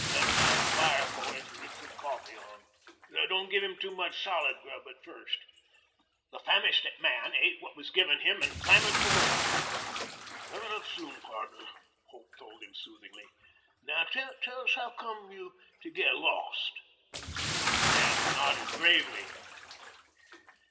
"Better light a fire, boys, and get some coffee on. Don't give him too much solid grub at first." The famished man ate what was given him and clamored for more. "Coming up soon, pardner," Holt told him soothingly. "Now tell us howcome you to get lost." The man nodded gravely.